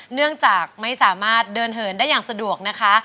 เนื่องจากไม่สามารถเดินเหินได้อย่างสะดวกนะคะ